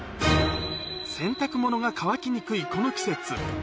洗濯物が乾きにくいこの季節。